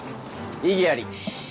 異議あり。